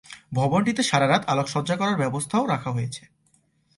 ভবনটিতে সারারাত আলোকসজ্জা করার ব্যবস্থাও রাখা হয়েছে।